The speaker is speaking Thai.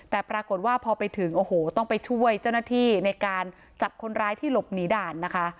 แต่ปรากฏว่าพอไปถึงโอ้โหต้องไปช่วยเจ้าหน้าที่ในการจับคนร้ายที่หลบหนีด่านนะคะ